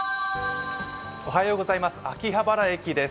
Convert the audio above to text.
おはようございます秋葉原駅で。